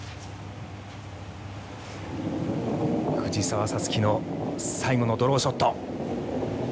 藤澤五月の最後のドローショット。